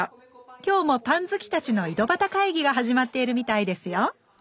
今日もパン好きたちの井戸端会議が始まっているみたいですよ